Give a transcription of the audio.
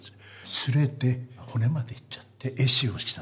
擦れて骨までいっちゃって壊死をした。